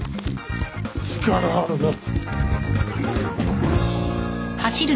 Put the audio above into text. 力あるなあ。